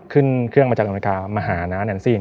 ขึ้นเครื่องมาจากอเมริกามาหาน้าแอนซี่